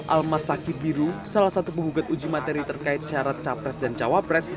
almas saki biru salah satu penggugat uji materi terkait syarat capres dan cawapres